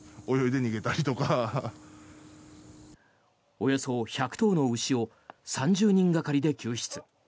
およそ１００頭の牛を３０人がかりで救出。